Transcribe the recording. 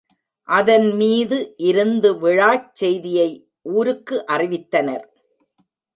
அதன் மீது இருந்து விழாச் செய்தியை ஊருக்கு அறிவித்தனர்.